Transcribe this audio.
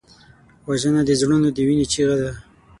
وژنه د زړونو د وینې چیغه ده